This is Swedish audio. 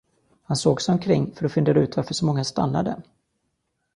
Han såg sig omkring för att fundera ut varför så många stannade.